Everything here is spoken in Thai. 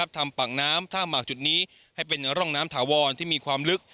ทำปากน้ำท่าหมากจุดนี้ให้เป็นร่องน้ำถาวรที่มีความลึก